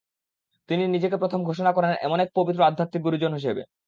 তিনি নিজেকে প্রথম ঘোষণা করেন এমন এক পবিত্র আধ্যাত্মিক গুরুজন হিসেবে।